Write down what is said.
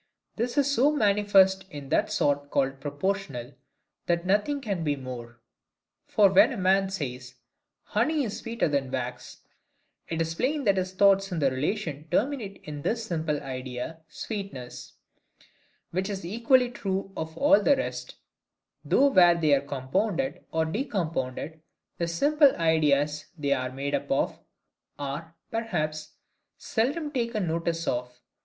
This is so manifest in that sort called proportional, that nothing can be more. For when a man says 'honey is sweeter than wax,' it is plain that his thoughts in this relation terminate in this simple idea, sweetness; which is equally true of all the rest: though, where they are compounded, or decompounded, the simple ideas they are made up of, are, perhaps, seldom taken notice of: v.